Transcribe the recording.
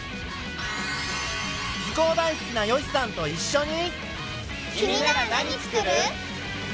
図工大好きな善しさんと一しょに。